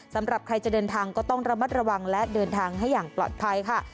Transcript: สำหรับใครจะเดินทางก็ต้องระมัดระวังและเดินทางให้อย่างปลอดภัยค่ะ